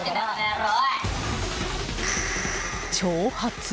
挑発。